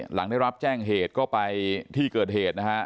หลังได้รับแจ้งเหตุก็ไปที่เกิดเหตุนะฮะ